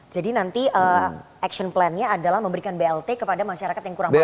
jadi nanti action plannya adalah memberikan blt kepada masyarakat yang kurang mampu